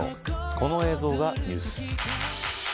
この映像がニュース。